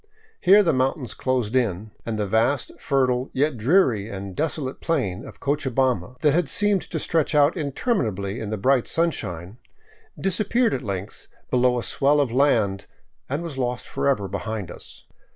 Here the mountains closed in, and the vast, fertile, yet dreary and desolate plain of Cocha bamba, that had seemed to stretch out interminably in the brilliant sun shine, disappeared at length below a swell of land and was lost for ever behind us.